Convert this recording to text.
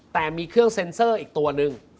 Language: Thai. แต่มีเครื่องเซ็นเซอร์อีกตัวหนึ่ง